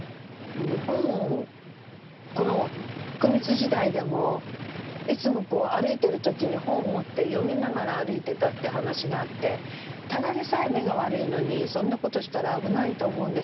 本この福光時代でもいつもこう歩いてる時に本を持って読みながら歩いてたって話があってただでさえ目が悪いのにそんなことしたら危ないと思うんですけど。